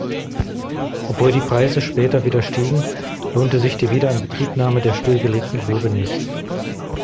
Obwohl die Preise später wieder stiegen, lohnte sich die Wiederinbetriebnahme der stillgelegten Grube nicht.